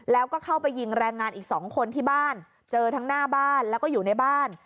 แล้วก็เข้าไปยิงแรงงานอีกสองคนที่บ้านเจอทั้งหน้าบ้านแล้วก็อยู่ในบ้าน